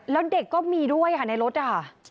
แล้วเด็กก็มีด้วยค่ะในรถค่ะ